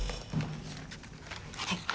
はい。